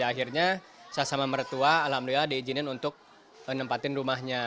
akhirnya saya sama mertua alhamdulillah diizinin untuk menempatin rumahnya